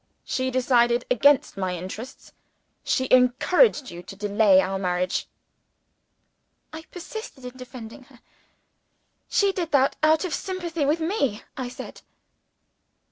She decided against my interests; she encouraged you to delay our marriage." I persisted in defending her. "She did that out of sympathy with me," I said.